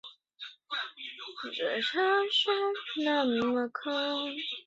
答里必牙二世是是实皆开国君主修云的幼子。